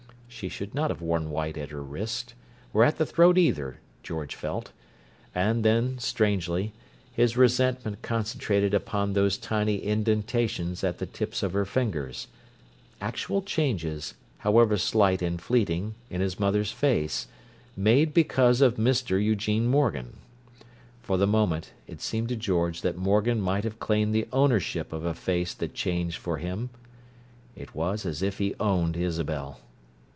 She should not have worn white at her wrist, or at the throat either, George felt; and then, strangely, his resentment concentrated upon those tiny indentations at the tips of her fingers—actual changes, however slight and fleeting, in his mother's face, made because of Mr. Eugene Morgan. For the moment, it seemed to George that Morgan might have claimed the ownership of a face that changed for him. It was as if he owned Isabel.